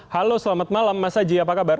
halo selamat malam mas aji apa kabar